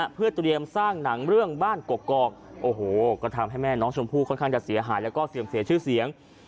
เพื่อเตรียมสร้างหนังเรื่องบ้านกกอกโอ้โหก็ทำให้แม่น้องชมพู่ค่อนข้างจะเสียหายแล้วก็เสื่อมเสียชื่อเสียง